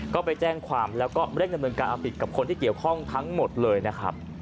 ก็ไปแจ้งความแล้วก็เร่งดำเนินการเอาผิดกับคนที่เกี่ยวข้องทั้งหมดเลยนะครับ